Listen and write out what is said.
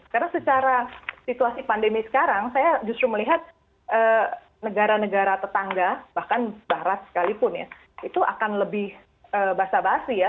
karena secara situasi pandemi sekarang saya justru melihat negara negara tetangga bahkan barat sekalipun ya itu akan lebih basa basi ya